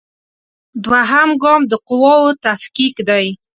دوهم ګام د قواوو تفکیک دی.